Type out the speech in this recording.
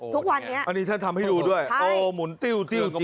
ทุกวันนี้อันนี้ท่านทำให้ดูด้วยโอ้หมุนติ้วติ้ว